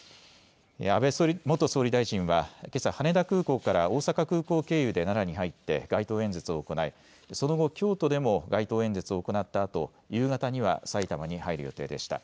安倍元総理大臣はけさ羽田空港から大阪空港経由で奈良に入って街頭演説を行いその後、京都でも街頭演説を行ったあと夕方には埼玉に入る予定でした。